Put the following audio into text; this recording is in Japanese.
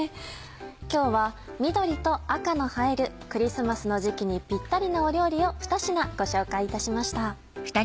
今日は緑と赤の映えるクリスマスの時期にピッタリの料理を２品ご紹介いたしました。